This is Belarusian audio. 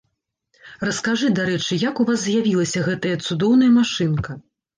Раскажы, дарэчы, як у вас з'явілася гэтая цудоўная машынка?